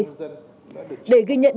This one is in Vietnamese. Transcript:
để ghi nhận những thành tích